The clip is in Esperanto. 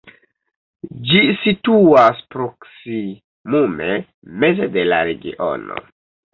Ĝi situas proksimume meze de la regiono.